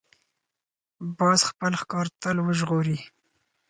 باز خپل ښکار تل وژغوري